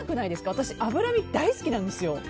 私、脂身大好きなんですよ。